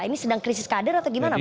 ini sedang krisis kader atau gimana pak